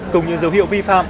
cùng những dấu hiệu vi phạm